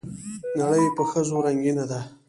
نړۍ په ښځو رنګينه ده